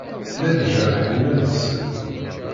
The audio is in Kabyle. Llan jerrḥen iman-nsen.